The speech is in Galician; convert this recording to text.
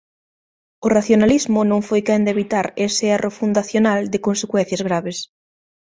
O racionalismo non foi quen de evitar ese erro fundacional de consecuencias graves.